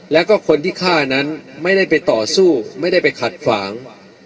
แล้วก็คนที่ฆ่านั้นไม่ได้ไปต่อสู้ไม่ได้ไปขัดขวาง